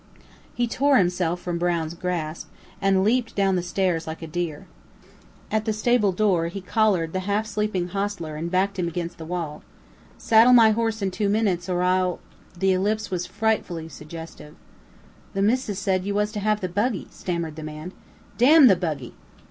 He tore himself from Brown's grasp, and leaped down the stairs like a deer. At the stable door he collared the half sleeping hostler and backed him against the wall. "Saddle my horse in two minutes, or I'll " The ellipsis was frightfully suggestive. "The missis said you was to have the buggy," stammered the man. "Damn the buggy!"